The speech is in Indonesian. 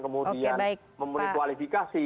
kemudian memiliki kualifikasi